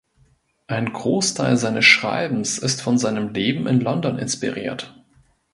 Ein Großteil seines Schreibens ist von seinem Leben in London inspiriert.